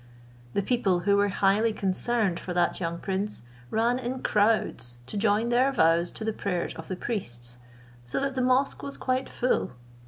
The people, who were highly concerned for that young prince, ran in crowds to join their vows to the prayers of the priests, so that the mosque was quite full.